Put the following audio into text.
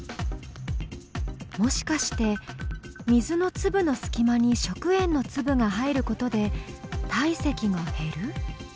もしかして水の粒の隙間に食塩の粒が入ることで体積が減る？